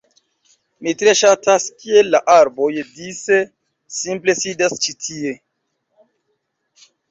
Mi tre ŝatas kiel la arboj dise simple sidas ĉi tie